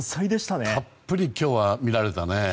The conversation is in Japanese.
たっぷり今日は見られたね。